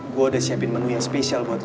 gue udah siapin menu yang spesial buat